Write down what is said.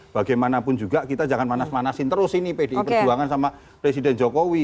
bagaimanapun juga kita jangan panas manasin terus ini pdi perjuangan sama presiden jokowi